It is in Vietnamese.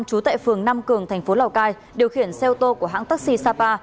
trú tại phường nam cường thành phố lào cai điều khiển xe ô tô của hãng taxi sapa